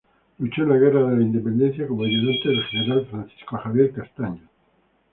Luchó en la guerra de la Independencia como ayudante del general Francisco Javier Castaños.